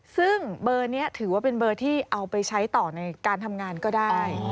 ซึ่งเบอร์นี้ถือว่าเป็นเบอร์ที่เอาไปใช้ต่อในการทำงานก็ได้